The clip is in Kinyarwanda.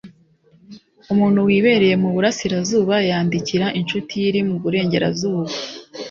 umuntu wibereye mu burasirazuba yandikira inshuti ye iri mu burengerazuba